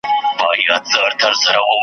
خدایه اودې کړه کـــــــــرم مات یم